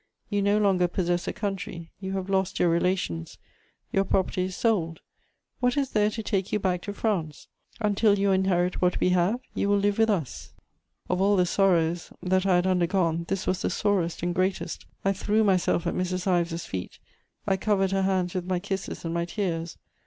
You no longer possess a country; you have lost your relations; your property is sold: what is there to take you back to France? Until you inherit what we have, you will live with us." Of all the sorrows that I had undergone, this was the sorest and greatest. I threw myself at Mrs. Ives's feet; I covered her hands with my kisses and my tears.